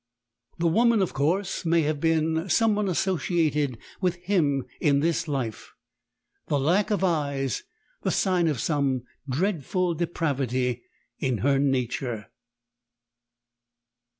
"The woman, of course, may have been some one associated with him in this life the lack of eyes the sign of some dreadful depravity in her nature."